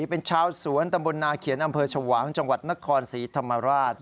เป็นชาวสวนตำบลนาเขียนอำเภอชวางจังหวัดนครศรีธรรมราช